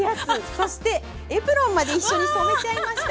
そしてエプロンまで一緒に染めちゃいました。